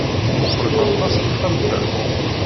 Meqqret aṭas texxamt-a.